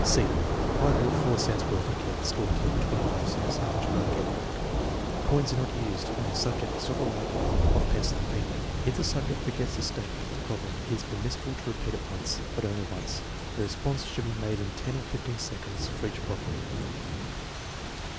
(c) "If I bought 4 cents worth and gave the storekeeper 5 cents, how much would I get back?' 9 1 Compare with V, 1. TEST NO. IX, 3 241 Coins are not used, and the subject is not allowed the help of pencil and paper. If the subject forgets the state ment of the problem, it is permissible to repeat it once, but only once. The response should be made in ten or fifteen seconds for each problem.